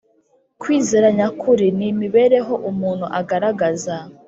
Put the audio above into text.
kwizera nyakuri ni imibereho umuntu agaragaza